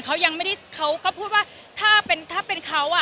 ไปพูดว่าถ้าเป็นเขาอ่ะ